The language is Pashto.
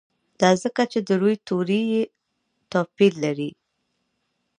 دا ځکه چې د روي توري یې توپیر لري.